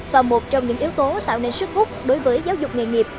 và một trong những yếu tố tạo nên sức hút đối với giáo dục nghề nghiệp